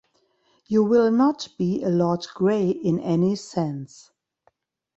You will not be a Lord Grey in any sense.